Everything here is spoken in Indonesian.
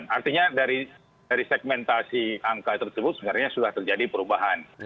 artinya dari segmentasi angka tersebut sebenarnya sudah terjadi perubahan